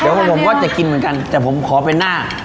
เดี๋ยวผมก็จะกินเหมือนกันแต่ผมขอเป็นหน้า